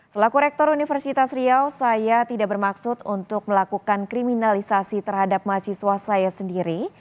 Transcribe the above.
selaku rektor universitas riau saya tidak bermaksud untuk melakukan kriminalisasi terhadap mahasiswa saya sendiri